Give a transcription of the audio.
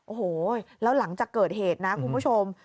โอ้โหแล้วหลังจากเกิดเหตุนะคุณผู้ชม